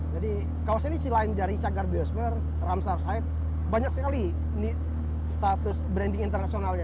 jadi kawasan ini selain dari cagar biosper ramsar site banyak sekali status branding internasionalnya